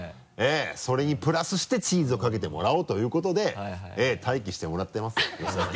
それにプラスしてチーズをかけてもらおうということで待機してもらってますよ吉田さん。